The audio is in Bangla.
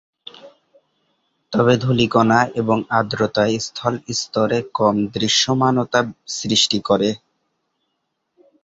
তবে ধূলিকণা এবং আর্দ্রতা স্থল স্তরে কম দৃশ্যমানতা সৃষ্টি করে।